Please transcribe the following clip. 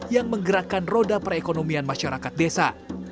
yang menggerakkan roda perekonomian masyarakat desa